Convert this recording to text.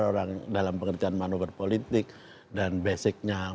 orang dalam pengerjaan manobor politik dan basicnya